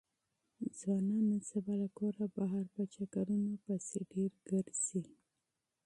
ځوانان نن سبا له کوره بهر په چکرونو پسې ډېر ګرځي.